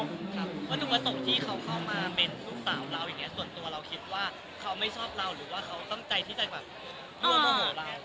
เพราะดวงตกที่เขาเข้ามาเป็นลูกสาวเราอย่างนี้ส่วนตัวเราคิดว่าเขาไม่ชอบเราหรือว่าเขาตั้งใจที่จะแบบร่วมโมโหร้าย